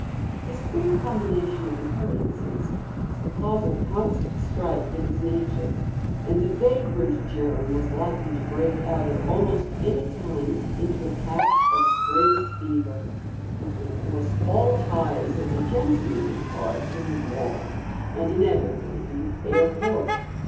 His queer combination of inheritances was the cause of constant strife in his nature, and the vagrant germ was likely to break out at almost any time into attacks of "spring fever," which would force all ties of the gentlemanly part to the wall and inevitably he would fare forth.